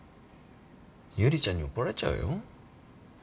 優里ちゃんに怒られちゃうよ。